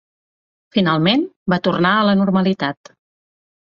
Finalment va tornar a la normalitat.